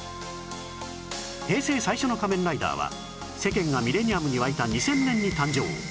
平成最初の『仮面ライダー』は世間がミレニアムに沸いた２０００年に誕生